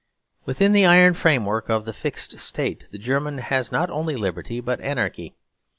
Within the iron framework of the fixed State, the German has not only liberty but anarchy.